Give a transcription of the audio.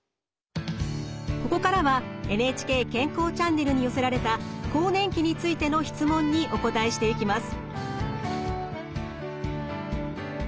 ここからは「ＮＨＫ健康チャンネル」に寄せられた更年期についての質問にお答えしていきます。